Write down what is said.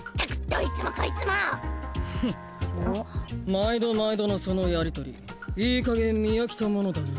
毎度毎度のそのやり取りいいかげん見飽きたものだな。